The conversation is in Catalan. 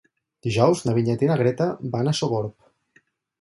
Dijous na Vinyet i na Greta van a Sogorb.